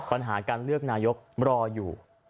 ปัญหาการเลือกนายกรออยู่